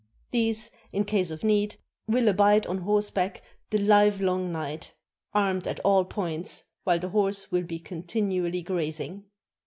These, in case of need, will abide on horseback the livelong night, armed at all points, while the horse will be continually grazing.